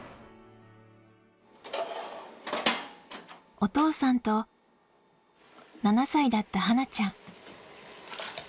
お父さんと７歳だった、はなちゃん。